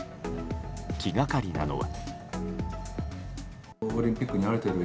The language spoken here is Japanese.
気がかりなのは。